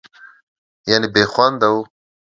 یعنې بېخونده وه.